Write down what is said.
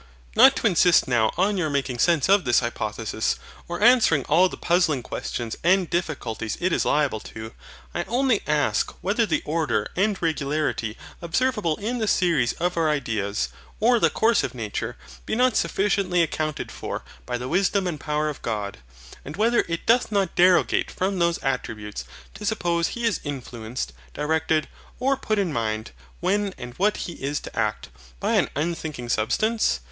Not to insist now on your making sense of this hypothesis, or answering all the puzzling questions and difficulties it is liable to: I only ask whether the order and regularity observable in the series of our ideas, or the course of nature, be not sufficiently accounted for by the wisdom and power of God; and whether it doth not derogate from those attributes, to suppose He is influenced, directed, or put in mind, when and what He is to act, by an unthinking substance?